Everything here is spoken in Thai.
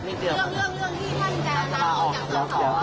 ตรีหายกทะเล